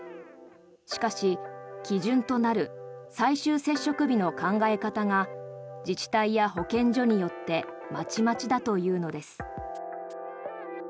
しかし、基準となる最終接触日の考え方が自治体や保健所によってまちまちだというのです。